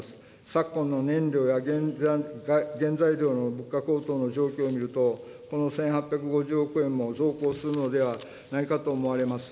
昨今の燃料や原材料の物価高騰の状況を見ると、この１８５０億円も増嵩するのではないかと思います。